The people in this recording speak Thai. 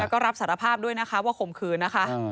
ก็รับสารภาพด้วยนะคะว่าข่มขืนนะคะ